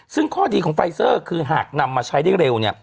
ซึ่งข้อดีของไฟเซอร์คือหากนำมาใช้ได้เร็ว